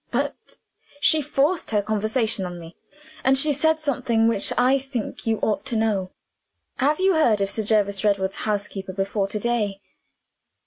But she forced her conversation on me. And she said something which I think you ought to know. Have you heard of Sir Jervis Redwood's housekeeper before to day?"